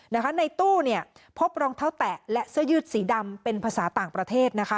ในตู้เนี่ยพบรองเท้าแตะและเสื้อยืดสีดำเป็นภาษาต่างประเทศนะคะ